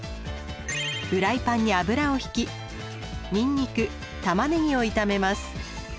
フライパンに油を引きにんにくたまねぎを炒めます。